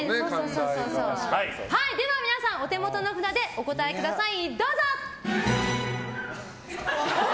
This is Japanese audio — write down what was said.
では皆さんお手元の札でお答えください。